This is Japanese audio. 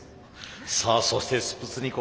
さあそしてスプツニ子！